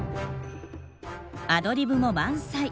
アドリブも満載。